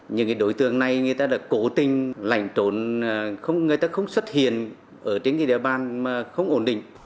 những đối tượng này người ta đã cố tình lảnh trốn không người ta không xuất hiện ở trên địa bàn mà không ổn định